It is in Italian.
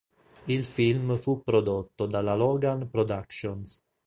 Il film fu prodotto dalla Logan Productions.